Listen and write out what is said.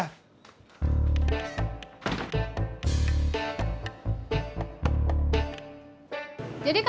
tidak ada yang bisa dikira